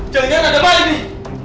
jangan ada balik nih